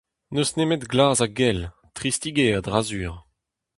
N'eus nemet glas ha gell : tristik eo a-dra-sur.